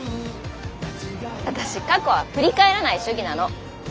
私過去は振り返らない主義なの。